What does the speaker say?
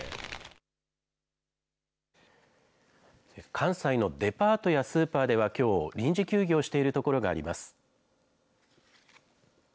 関西のデパートやスーパーでは、きょう、臨時休業している所があります。